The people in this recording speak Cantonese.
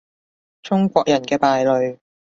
中國人嘅敗類